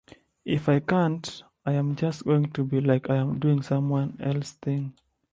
If I can't, I'm just going to be like I'm doing someone else's thing.